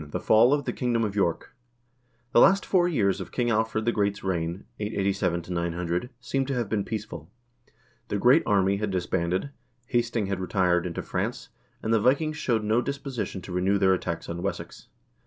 The Fall of the Kingdom of York The last four years of King Alfred the Great's reign (887 900) seem to have been peaceful. The "Great Army" had disbanded, Hasting had retired into France, and the Vikings showed no disposi tion to renew their attacks on Wessex.